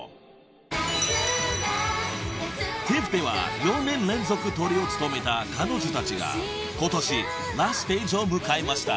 ［ＴＩＦでは４年連続トリを務めた彼女たちがことしラストステージを迎えました］